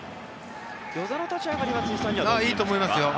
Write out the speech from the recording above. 與座の立ち上がりは辻さん、どうですか？